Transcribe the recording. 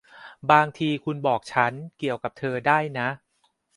บางทีคุณบอกฉันเกี่ยวกับเธอได้นะ